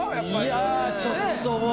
いやちょっともう。